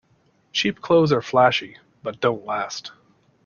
Cheap clothes are flashy but don't last.